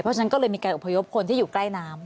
เพราะฉะนั้นก็เลยมีการอบพยพคนที่อยู่ใกล้น้ำ